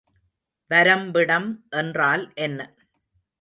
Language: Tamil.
வரம்பிடம் என்றால் என்ன?